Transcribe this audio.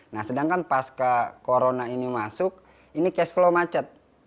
nah sedangkan pasca corona ini masuk ini cash flow macet